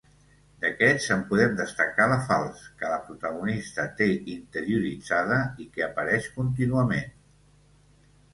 D’aquests en podem destacar la falç, que la protagonista té interioritzada i que apareix contínuament.